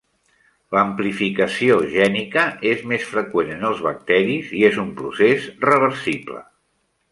L'amplificació gènica és més freqüent en els bacteris i és un procés reversible.